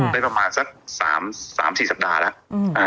ได้ประมาณสัก๓๔สัปดาห์แล้ว